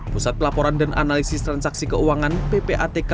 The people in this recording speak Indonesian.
pusat pelaporan dan analisis transaksi keuangan ppatk